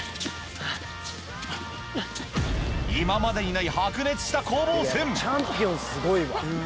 今までにない白熱した攻防戦。